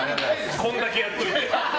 こんだけやっといて。